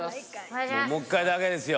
もう１回だけですよ。